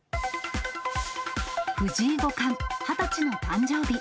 藤井五冠、２０歳の誕生日。